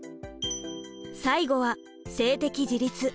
最後は性的自立。